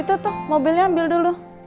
itu tuh mobilnya ambil dulu